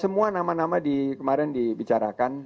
semua nama nama kemarin dibicarakan